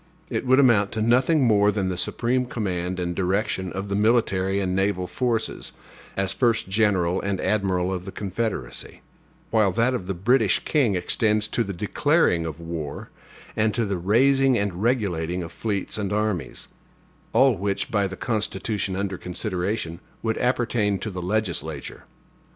It would amount to nothing more than the supreme command and direction of the military and naval forces, as first General and admiral of the Confederacy; while that of the British king extends to the declaring of war and to the raising and regulating of fleets and armies all which, by the Constitution under consideration, would appertain to the legislature.